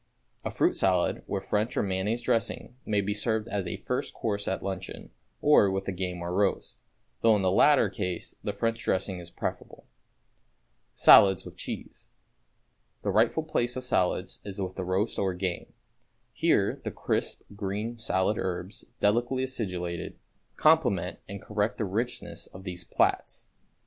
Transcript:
A fruit salad, with French or mayonnaise dressing, may be served as a first course at luncheon, or with the game or roast, though in the latter case the French dressing is preferable. =Salads with Cheese.= The rightful place of salads is with the roast or game. Here the crisp, green salad herbs, delicately acidulated, complement and correct the richness of these plats.